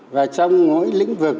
và trong mỗi lĩnh vực